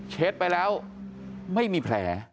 เช็ดไปแล้วไม่มีแผล